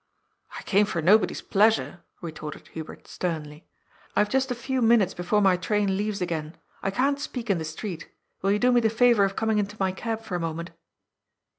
" I came for nobody's pleasure," retorted Hubert sternly. ^' I have just a few minutes before my train leaves again. I can't speak in the street Will you do me the favour of coming into my cab for a moment?"